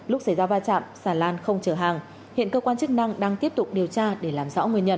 lúc xảy ra va chạm xà lan không trở hàng hiện cơ quan chức năng đang tiếp tục điều tra để làm rõ nguyên nhân